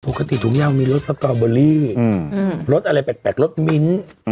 ปกติถุงยางมีรสสตอเบอรี่รสอะไรแปลกรสมิ้น